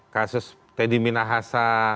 kasus teddy minahasa